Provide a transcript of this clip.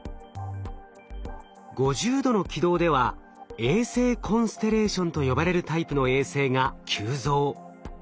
５０度の軌道では衛星コンステレーションと呼ばれるタイプの衛星が急増。